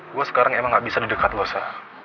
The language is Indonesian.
gue sekarang emang gak bisa didekat lo sa